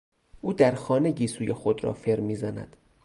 او در خانه گیسوی خود را فر میزند.